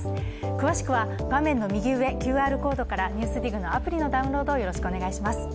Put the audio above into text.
詳しくは画面の右上、ＱＲコードから「ＮＥＷＳＤＩＧ」のアプリのダウンロードをよろしくお願いします。